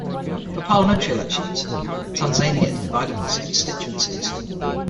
For parliamentary elections, Tanzania is divided into constituencies.